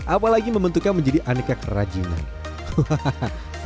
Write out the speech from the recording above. apalagi membentuknya menjadi aneka kerajinan hahaha